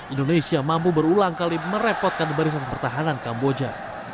indonesia mampu berulang kali merepotkan barisan pertahanan kamboja